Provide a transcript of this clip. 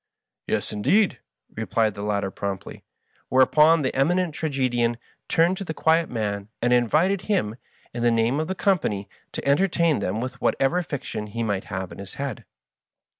" Yes, indeed,'* replied the latter promptly; whereupon the Eminent Tragedian turned to the quiet man, and invited him, in the name of the company, to entertain them with whatever fiction he might have in his head.